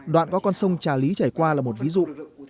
đoạn có con sông trà lý trải qua là một ví dụ